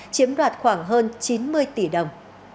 chiếm đoạt khoảng hơn chín mươi tỷ đồng